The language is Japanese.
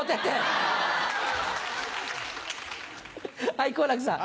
はい好楽さん。